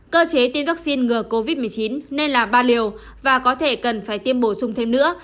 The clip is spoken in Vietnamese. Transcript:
cơ chế tiêm vaccine ngừa covid một mươi chín nên là ba liều và có thể cần phải tiêm bổ sung thêm nữa